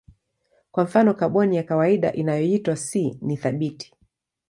Kwa mfano kaboni ya kawaida inayoitwa C ni thabiti.